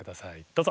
どうぞ！